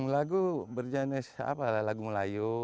lagi berjenis apa lah lagu melayu